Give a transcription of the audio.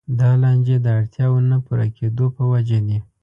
دا لانجې د اړتیاوو نه پوره کېدو په وجه دي.